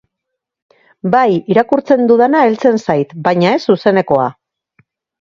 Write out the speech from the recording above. Bai, irakurtzen dudana heltzen zait, baina ez zuzenekoa.